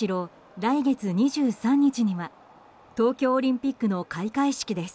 来月２３日には東京オリンピックの開会式です。